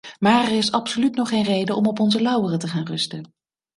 Maar er is absoluut nog geen reden om op onze lauweren te gaan rusten.